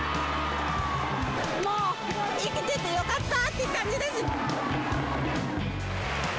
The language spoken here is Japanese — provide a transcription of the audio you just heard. もう生きててよかったって感じです。